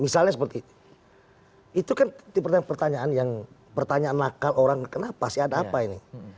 misalnya seperti itu kan pertanyaan yang pertanyaan nakal orang kenapa sih ada apa ini